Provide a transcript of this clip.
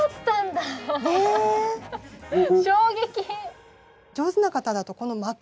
衝撃。